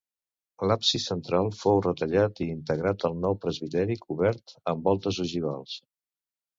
L'absis central fou retallat i integrat al nou presbiteri cobert amb voltes ogivals.